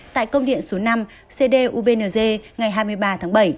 tại công điện số năm cd ubnz ngày hai mươi ba tháng bảy